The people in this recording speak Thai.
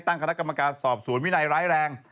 ตั้งคณะกรรมการสอบสวนวินัยร้ายแรง